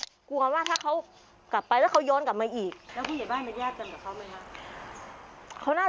ชาวบ้านก็เป็นวัดนิดนึงนะคะวัดประธุมภนาราม